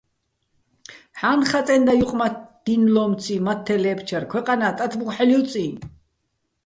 ჰ̦ა́ნნ ხაწენდა ჲუყმათთდი́ნლო́მციჼ მათთე ლე́ფჩარ, ქვეყანა́ ტათბუხ ჰ̦ალო̆ ჲუწიჼ!